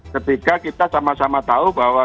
ketika kita sama sama tahu bahwa